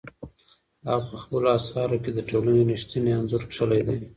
هغه په خپلو اثارو کې د ټولنې رښتینی انځور کښلی دی.